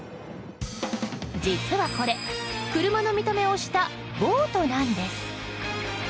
実はこれ、車の見た目をしたボートなんです。